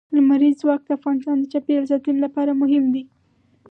لمریز ځواک د افغانستان د چاپیریال ساتنې لپاره مهم دي.